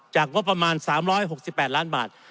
จากว่าประมาณ๓๖๘ล้านบาท